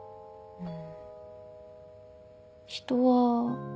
うん。